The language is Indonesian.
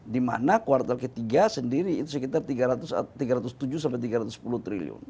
di mana kuartal ketiga sendiri itu sekitar tiga ratus tujuh sampai tiga ratus sepuluh triliun